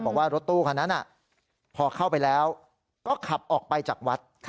บอกว่ารถตู้คันนั้นพอเข้าไปแล้วก็ขับออกไปจากวัด